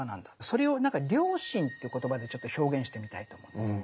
それをなんか「良心」って言葉でちょっと表現してみたいと思うんですよ。